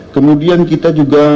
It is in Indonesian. kemudian kita juga